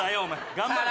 頑張れ！